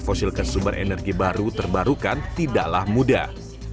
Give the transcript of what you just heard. fosil dan sumber energi baru terbarukan tidaklah mudah